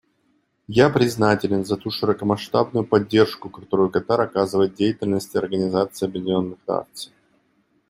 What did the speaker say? Я признателен за ту широкомасштабную поддержку, которую Катар оказывает деятельности Организации Объединенных Наций.